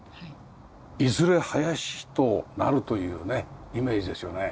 いずれ林となるというねイメージですよね。